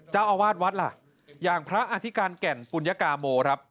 เจ้าอาวาสวัดล่ะอย่างพระอธิการแก่นปุญกาโมครับ